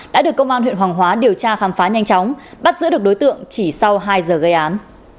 đã được công an huyện hoàng hóa điều tra khám phá nhanh chóng bắt giữ được đối tượng chỉ sau hai giờ gây án